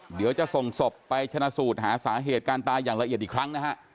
เดี๋ยวจะส่งศพไปชนะสูตรหาสาเหตุการตายอย่างละเอียดอีกครั้งนะฮะ